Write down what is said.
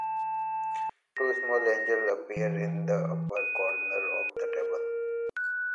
Two small angels appear in the upper corners of the table.